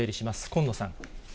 近野さん。